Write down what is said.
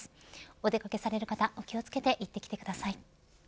お出掛けされる方お気を付けて行ってきてください。